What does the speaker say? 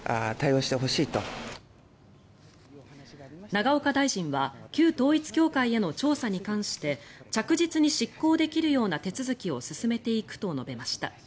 永岡大臣は旧統一教会への調査に関して着実に執行できるような手続きを進めていくと述べました。